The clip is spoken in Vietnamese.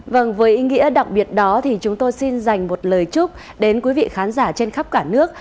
vâng với ý nghĩa đặc biệt đó thì chúng tôi xin dành một lời chúc đến quý vị khán giả trên khắp cả nước